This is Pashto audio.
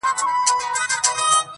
زۀ چې د چـا بل ښکلي صفــــــت کوم